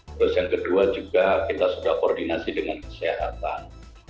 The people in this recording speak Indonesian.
terus yang kedua juga kita sudah koordinasi dengan kesehatan